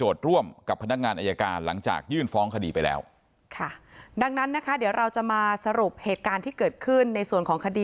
ครอบครัวไม่ได้อาฆาตแต่มองว่ามันช้าเกินไปแล้วที่จะมาแสดงความรู้สึกในตอนนี้